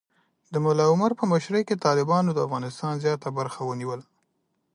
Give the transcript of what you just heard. د ملا محمد عمر په مشرۍ کې طالبانو د افغانستان زیات برخه ونیوله.